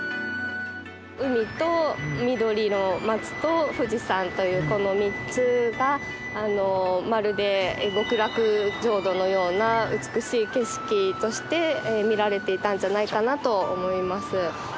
海と緑の松と富士山というこの３つがまるで極楽浄土のような美しい景色として見られていたんじゃないかなと思います。